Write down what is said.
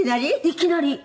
いきなり。